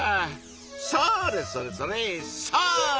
それそれそれそれ！